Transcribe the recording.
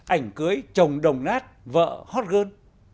ảnh cưới chồng đồng nát vợ hot girl